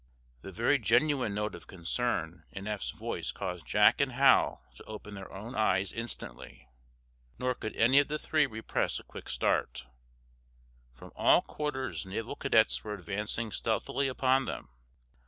The very genuine note of concern in Eph's voice caused Jack and Hal to open their own eyes instantly. Nor could any of the three repress a quick start. From all quarters naval cadets were advancing stealthily upon them.